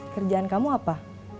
kerjaan kamu apa